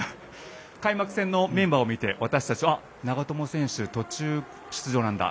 開幕戦のメンバーを見て私たちは、長友選手途中出場なんだ。